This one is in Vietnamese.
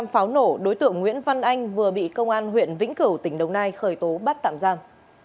pháo nổ đối tượng nguyễn văn anh vừa bị công an huyện vĩnh cửu tỉnh đồng nai khởi tố bắt tạm giam